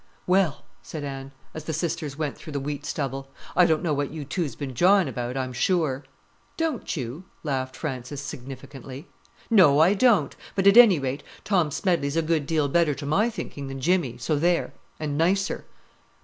"Well," said Anne, as the sisters went through the wheat stubble; "I don't know what you two's been jawing about, I'm sure." "Don't you?" laughed Frances significantly. "No, I don't. But, at any rate, Tom Smedley's a good deal better to my thinking than Jimmy, so there—and nicer."